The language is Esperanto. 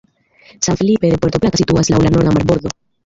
San Felipe de Puerto Plata situas laŭ la norda marbordo.